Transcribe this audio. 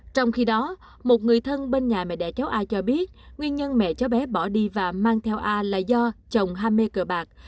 trong khi đó một người thân bên nhà mẹ đẻ cháu ai cho biết nguyên nhân mẹ cháu bé bỏ đi và mang theo a là do chồng ham mê cờ bạc